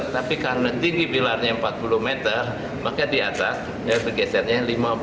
tapi karena tinggi bilarnya empat puluh meter maka di atas bergesernya lima puluh tiga